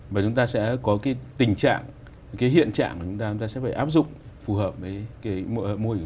và chúng ta sẽ có cái tình trạng cái hiện trạng chúng ta sẽ phải áp dụng phù hợp với